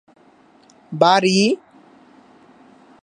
সড়ক ছিল না।